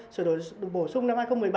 sửa đổi bổ sung năm hai nghìn một mươi bảy